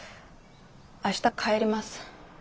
明日帰ります。